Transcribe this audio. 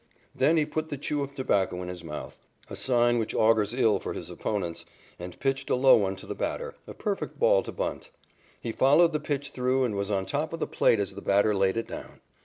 Then he put the chew of tobacco in his mouth, a sign which augurs ill for his opponents, and pitched a low one to the batter, a perfect ball to bunt. He followed the pitch through and was on top of the plate as the batter laid it down.